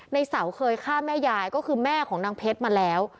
ในเสาเคยฆ่าแม่ยายก็คือแม่ของนางเพชรมาแล้ว